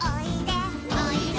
「おいで」